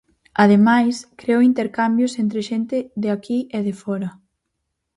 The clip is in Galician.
Ademais, creo intercambios entre xente de aquí e de fóra.